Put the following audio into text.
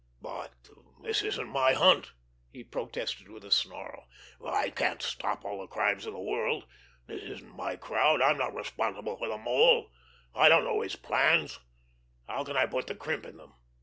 "But this isn't my hunt!" he protested, with a snarl. "I can't stop all the crimes in the world! This isn't my crowd! I'm not responsible for the Mole. I don't know his plans. How can I put the crimp in them?